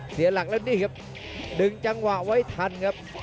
เสียหลักแล้วนี่ครับดึงจังหวะไว้ทันครับ